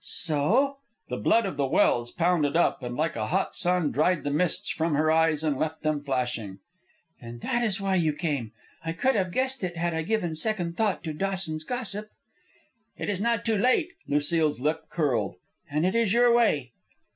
"So?" The blood of the Welse pounded up, and like a hot sun dried the mists from her eyes and left them flashing. "Then that is why you came. I could have guessed it had I given second thought to Dawson's gossip." "It is not too late." Lucile's lip curled. "And it is your way."